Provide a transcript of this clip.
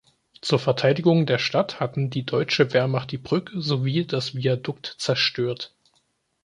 Zur Verteidigung der Stadt hatten die deutsche Wehrmacht die Brücke sowie das Viadukt zerstört.